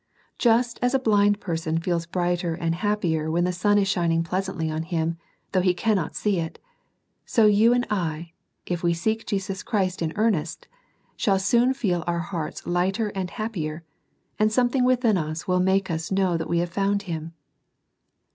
Just as a blind person feels brighter and happier when the sun is shining pleasantly on him, though he cannot see it, so you and I, if we seek Jesus Christ in earnest, shall soon feel our hearts lighter and happier, and something within us will make us know that we have found Him.